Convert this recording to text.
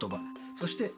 そして「？」